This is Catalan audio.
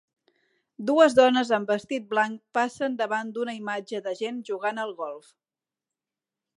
Dues dones amb vestit blanc passen davant d'una imatge de gent jugant al golf.